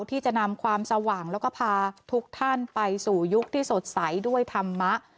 ที่จะนำความสว่างแล้วก็พาทุกท่านไปสู่ยุคที่สดใสด้วยธรรมะ